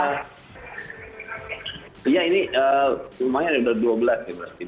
hmm ya ini lumayan udah dua belas ya pasti